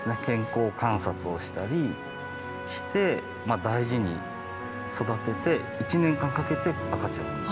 健康観察をしたりして大事に育てて１年間かけて赤ちゃんを。